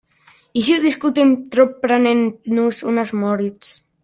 I si ho discutim tot prenent-nos unes Moritz?